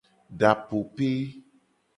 Dapope.